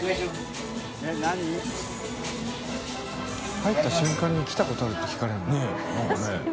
入った瞬間に来たことある？って聞かれるの？